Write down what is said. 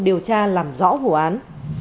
điều tra làm rõ vụ án